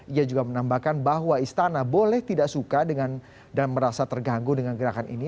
ia juga menambahkan bahwa istana boleh tidak suka dengan dan merasa terganggu dengan gerakan ini